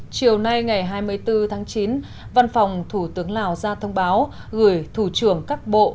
chiều nay ngày hai mươi bốn tháng chín văn phòng thủ tướng lào ra thông báo gửi thủ trưởng các bộ